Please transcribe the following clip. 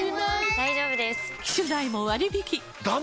大丈夫です！